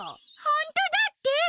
ほんとだって！